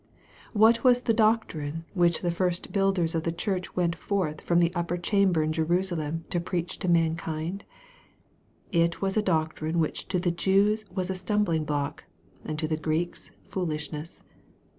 What was the doctrine which the first builders of the Church went forth from the upper chamber in Jerusalem to preach to mankind ? It was a doctrine which to the Jews was a stumbling block, and to the Greeks foolishness.